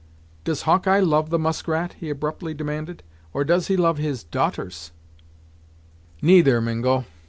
"Does Hawkeye love the Muskrat?" he abruptly demanded; "Or does he love his daughters?" "Neither, Mingo.